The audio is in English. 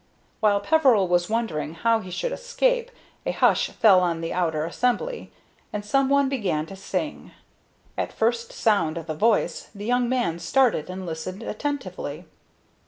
While Peveril was wondering how he should escape, a hush fell on the outer assembly, and some one began to sing. At first sound of the voice the young man started and listened attentively.